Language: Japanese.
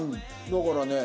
だからね。